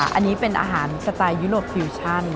อันนี้เป็นอาหารสไตล์ยุโรปฟิวชั่น